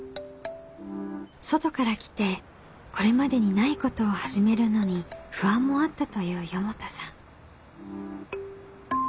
外から来てこれまでにないことを始めるのに不安もあったという四方田さん。